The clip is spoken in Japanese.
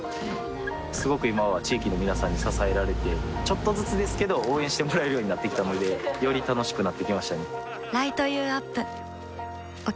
すごく今は地域の皆さんに支えられてちょっとずつですけど応援してもらえるようになってきたのでより楽しくなってきましたね